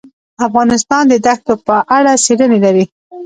افغانستان د دښتو په اړه څېړنې لري.